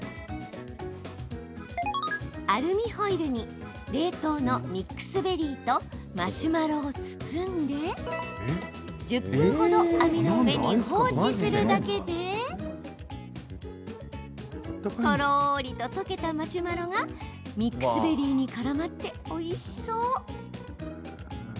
アルミホイルに冷凍のミックスベリーとマシュマロを包んで１０分ほど網の上に放置するだけでとろりと溶けたマシュマロがミックスベリーにからまっておいしそう。